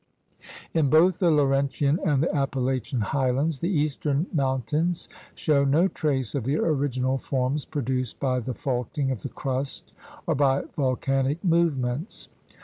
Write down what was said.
In both the Laurentian and the Appalachian highlands the eastern mountains show no trace of the original forms produced by the faulting of the crust or by volcanic movements.